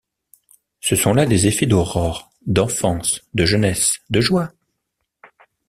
Ce sont là des effets d’aurore, d’enfance, de jeunesse, de joie.